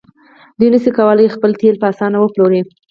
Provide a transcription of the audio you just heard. دوی نشي کولی خپل تیل په اسانۍ وپلوري.